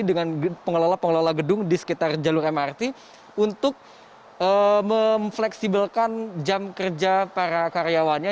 dengan pengelola pengelola gedung di sekitar jalur mrt untuk memfleksibelkan jam kerja para karyawannya